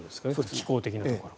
気候的なところ。